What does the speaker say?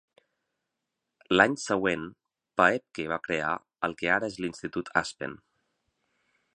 L'any següent, Paepcke va crear el que ara és l'Institut Aspen.